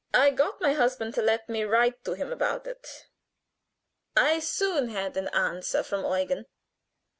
I got my husband to let me write about it. I soon had an answer from Eugen.